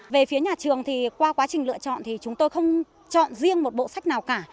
về phía nhà trường thì qua quá trình lựa chọn thì chúng tôi không chọn riêng một bộ sách nào cả